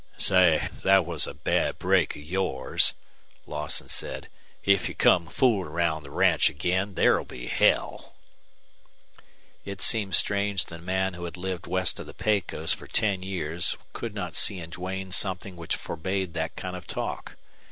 "Say, that was a bad break of yours," Lawson said. "If you come fooling round the ranch again there'll be hell." It seemed strange that a man who had lived west of the Pecos for ten years could not see in Duane something which forbade that kind of talk.